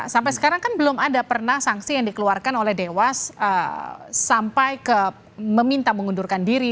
sampai sekarang kan belum ada pernah sanksi yang dikeluarkan oleh dewas sampai ke meminta mengundurkan diri